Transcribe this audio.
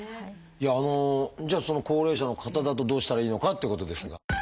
じゃあ高齢者の方だとどうしたらいいのかっていうことですが。